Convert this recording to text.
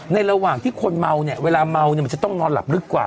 ระหว่างที่คนเมาเนี่ยเวลาเมาเนี่ยมันจะต้องนอนหลับลึกกว่า